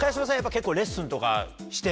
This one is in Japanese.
結構レッスンとかしてんの？